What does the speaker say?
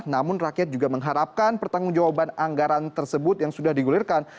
namun rakyat juga mengharapkan pertanggung jawaban anggaran tersebut yang sudah digulirkan